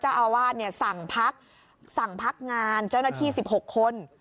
เจ้าอาวาสสั่งพักงานเจ้าหน้าที่๑๖คน